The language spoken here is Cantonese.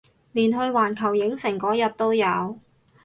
連去環球影城嗰日都有